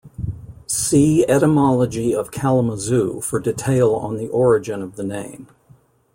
"See," Etymology of Kalamazoo for detail on the origin of the name.